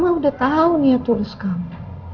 mama udah tahu niat tulus kamu